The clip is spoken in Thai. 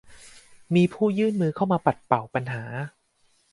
มีผู้ยื่นมือเข้ามาปัดเป่าปัญหา